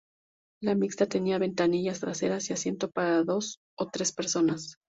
La mixta tenía ventanillas traseras y asiento para dos o tres personas.